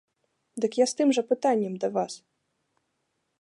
Дык я з тым жа пытаннем да вас.